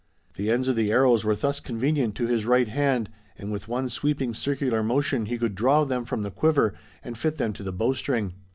The ends of the arrows were thus convenient to his right hand, and with one sweeping circular motion he could draw them from the quiver and fit them to the bowstring.